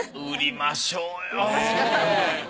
売りましょうよ。